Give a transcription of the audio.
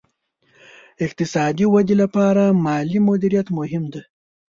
اقتصادي ودې لپاره مالي مدیریت مهم دی.